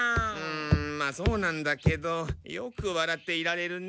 んまあそうなんだけどよく笑っていられるね？